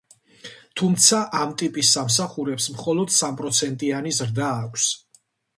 თუმცა, ამ ტიპის სამსახურებს მხოლოდ სამპროცენტიანი ზრდა აქვს.